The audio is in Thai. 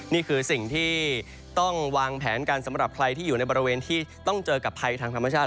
นี่คือสิ่งที่ต้องวางแผนกันสำหรับใครที่อยู่ในบริเวณที่ต้องเจอกับภัยทางธรรมชาติ